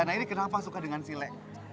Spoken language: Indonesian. nah ini kenapa suka dengan silek